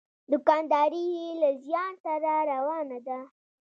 دوکانداري یې له زیان سره روانه ده.